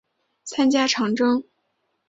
参加长征。